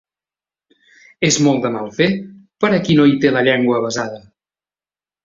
És molt de mal fer per a qui no hi té la llengua avesada.